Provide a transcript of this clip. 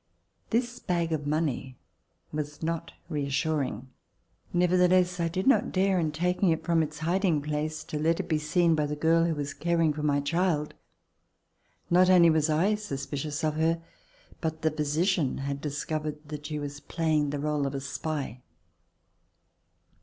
This bag of money was not re assuring. Nevertheless, I did not dare. In taking it from Its hiding place, to let It be seen by the girl who was caring for my child. Not only was I suspicious of her, but the physician had discovered that she was playing the role of a spy.